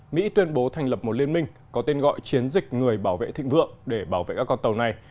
mỹ tuyên bố thành lập một liên minh có tên gọi chiến dịch người bảo vệ thịnh vượng để bảo vệ các con tàu này